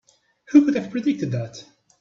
Who could have predicted that?